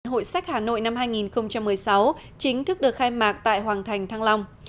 hội sách hà nội năm hai nghìn một mươi sáu chính thức được khai mạc tại hoàng thành thăng long